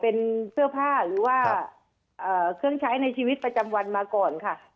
เป็นเสื้อผ้าหรือว่าเครื่องใช้ในชีวิตประจำวันมาก่อนค่ะ